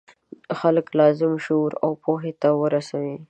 خلک لازم شعور او پوهې ته ورسوي.